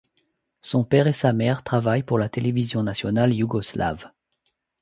Son père et sa mère travaillent pour la télévision nationale yougoslave.